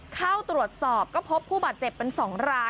เข้าตรวจสอบก็พบผู้บาดเจ็บเป็น๒ราย